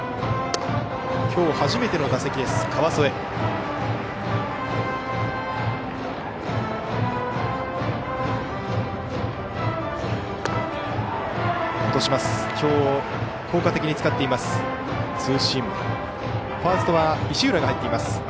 今日初めての打席です。